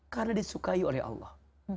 karena disukai oleh allah